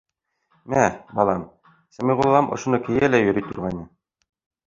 — Мә, балам, Сәмиғуллам ошоно кейә лә йөрөй торғайны.